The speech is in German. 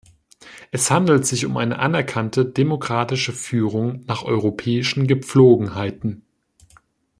Es handelt sich um eine anerkannte, demokratische Führung nach europäischen Gepflogenheiten.